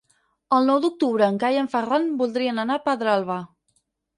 El nou d'octubre en Cai i en Ferran voldrien anar a Pedralba.